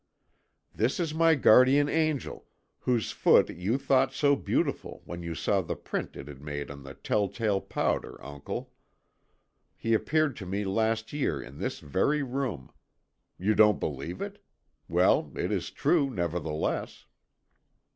"This is my guardian angel, whose foot you thought so beautiful when you saw the print it had made on the tell tale powder, uncle. He appeared to me last year in this very room. You don't believe it? Well, it is true, nevertheless."